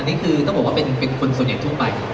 นี่คือต้องบอกว่าเป็นคนส่วนใหญ่ทั่วไป